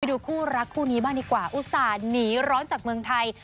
ดูคู่รักคู่นี้บ้างดีกว่าอุตส่าห์หนีร้อนจากเมืองไทย